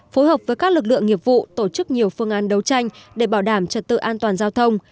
phối hợp với các lực lượng nghiệp vụ tổ chức nhiều phương án đấu tranh để bảo đảm trật tự an toàn giao thông